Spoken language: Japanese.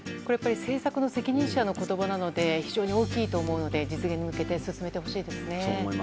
政策の責任者の言葉なので非常に大きいと思うので実現に向けて進めてほしいですね。